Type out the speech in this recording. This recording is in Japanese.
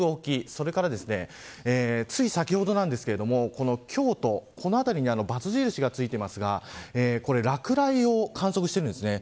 それから、つい先ほどなんですが京都のこの辺りにばつ印がついていますが落雷を観測しているんですね。